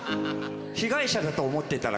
被害者だと思ってたら